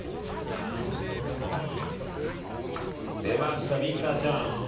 出ました、ミキサーちゃん。